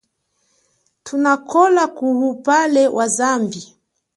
Thunakola kuwupale wa zambi.